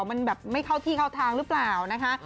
มันแบบไม่เข้าที่เข้าทางหรือเปล่านะคะ